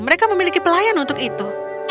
mereka memiliki pelayan untuk itu